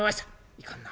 「いかんな。